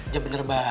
gak bener ba